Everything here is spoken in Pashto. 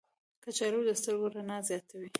کچالو د سترګو رڼا زیاتوي.